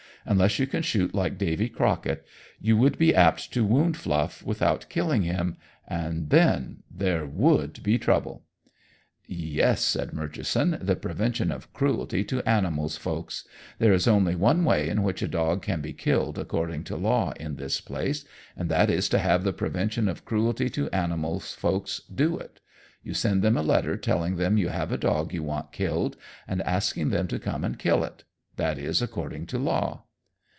Unless you can shoot like Davy Crockett, you would be apt to wound Fluff without killing him, and then there would be trouble!" "Yes," said Murchison, "the Prevention of Cruelty to Animals folks. There is only one way in which a dog can be killed according to law in this place, and that is to have the Prevention of Cruelty to Animals folks do it. You send them a letter telling them you have a dog you want killed, and asking them to come and kill it. That is according to law."